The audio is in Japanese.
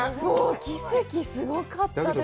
奇跡、すごかったです。